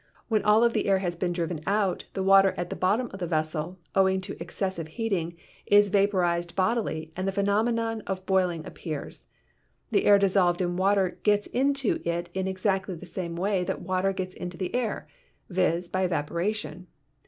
When all the air has been driven out the water at the bottom of the vessel, owing to excessive heat ing, is vaporized bodily and the phenomenon of boiling appears. The air dissolved in water gets into it in exactly the same way that the water gets into the air — viz., by evaporation.